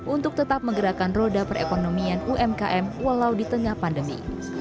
untuk tetap menggerakkan roda perekonomian umkm walau di tengah pandemi